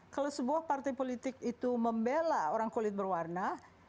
kalau sebuah partai politik itu membela orang kulit berwarna